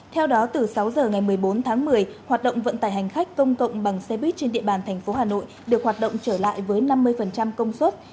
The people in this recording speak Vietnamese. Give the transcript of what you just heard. theo đó từ sáu giờ ngày một mươi bốn tháng một mươi hoạt động vận tải hành khách công cộng bằng xe buýt trên địa bàn tp hcm được hoạt động trở lại với năm mươi công suất